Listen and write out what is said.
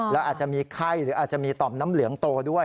แล้วอาจจะมีไข้หรืออาจจะมีต่อมน้ำเหลืองโตด้วย